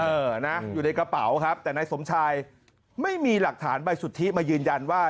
เออนะอยู่ในกระเป๋าครับแต่นายสมชายไม่มีหลักฐานใบสุทธิมายืนยันว่า